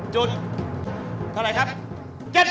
จุดเท่าไหร่ครับ๗๐นะครับ